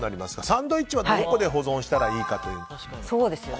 サンドイッチはどこで保存したらいいかという。